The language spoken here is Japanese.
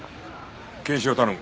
検視を頼む。